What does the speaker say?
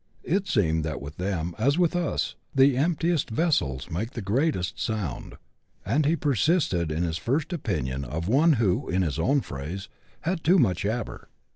It seemed that with them, as with us, the emptiest vessels make the greatest sound, and he persisted in his first opinion of one who, in his own phrase, had " too much yabber."